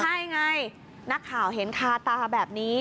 ใช่ไงนักข่าวเห็นคาตาแบบนี้